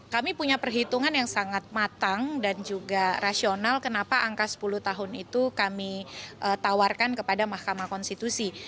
kami punya perhitungan yang sangat matang dan juga rasional kenapa angka sepuluh tahun itu kami tawarkan kepada mahkamah konstitusi